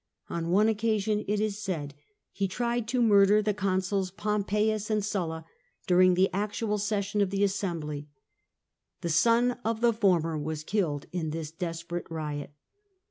On one occasion, it is said, he tried to murder the consuls Pompeius and Sulla during the actual session of the assembly. The son of the former was killed in this desperate riot.